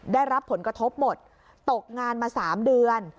ได้รับผลกระทบหมดตกงานมา๓เดือน